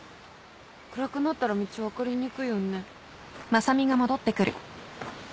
暗くなったら道分かりにくいよね。